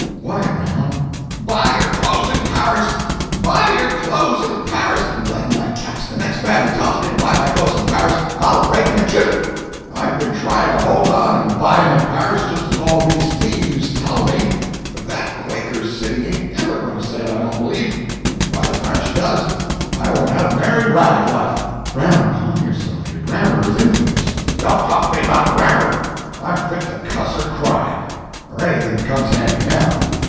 "Why, Brown!" "Buy your clothes in Paris! buy your clothes in Paris! Blame my cats, the next man that tells me to buy my clothes in Paris, I'll break him in two! I've been trying to hold on and buy 'em in Paris, just as all these thieves tell me, but that Quaker City ain't ever going to sail, I don't believe, and by the time she does I won't have nary rag left—" "Brown, calm yourself your grammar is infamous." "Don't talk to me about grammar! I'm fit to cuss or cry, or anything that comes handy now.